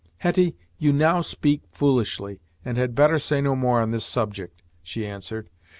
"Hetty, you now speak foolishly, and had better say no more on this subject," she answered.